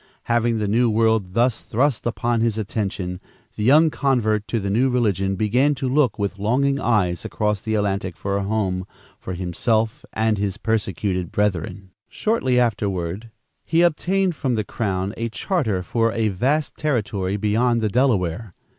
Having the New World thus thrust upon his attention, the young convert to the new religion began to look with longing eyes across the Atlantic for a home for himself and his persecuted brethren. Shortly afterward, he obtained from the crown a charter for a vast territory beyond the Delaware.